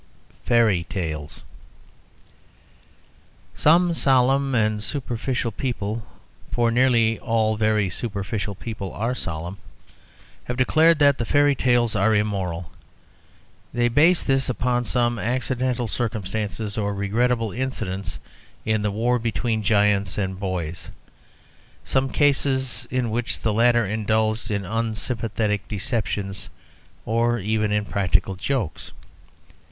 FAIRY TALES Some solemn and superficial people (for nearly all very superficial people are solemn) have declared that the fairy tales are immoral; they base this upon some accidental circumstances or regrettable incidents in the war between giants and boys, some cases in which the latter indulged in unsympathetic deceptions or even in practical jokes.